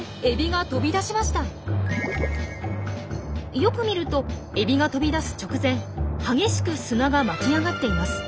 よく見るとエビが飛び出す直前激しく砂が巻き上がっています。